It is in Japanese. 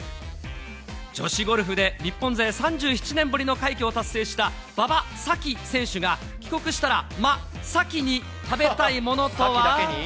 女子ゴルフで日本勢３７年ぶりの快挙を達成した馬場咲希選手が、帰国したら、真っ先に食べたいもさきだけに？